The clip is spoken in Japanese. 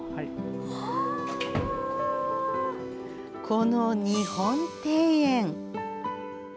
この、日本庭園。